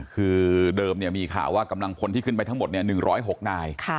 คือเดิมมีข่าวว่ากำลังพลที่ขึ้นไปทั้งหมด๑๐๖นาย